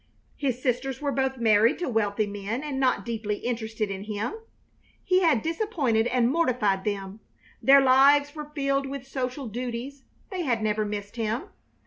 His sisters were both married to wealthy men and not deeply interested in him. He had disappointed and mortified them; their lives were filled with social duties; they had never missed him.